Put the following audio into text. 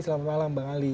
selamat malam bang ali